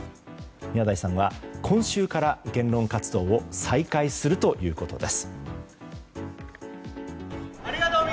宮台さんは今週から言論活動を再開するということです。